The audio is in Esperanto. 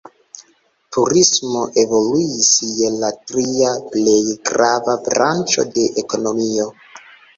Turismo evoluis je la tria plej grava branĉo de ekonomio.